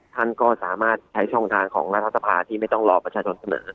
ท่านก็สามารถใช้ช่องทางของรัฐสภาที่ไม่ต้องรอประชาชนเสนอ